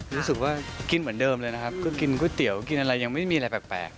รู้สึกว่ากินเหมือนเดิมเลยนะครับก็กินก๋วยเตี๋ยวกินอะไรยังไม่มีอะไรแปลก